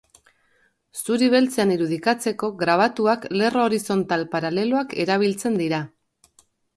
Zuri-beltzean irudikatzeko, grabatuak, lerro horizontal paraleloak erabiltzen dira.